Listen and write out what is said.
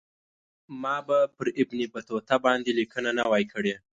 ما به پر ابن بطوطه باندې لیکنه نه وای کړې.